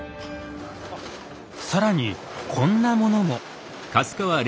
更にこんなものも。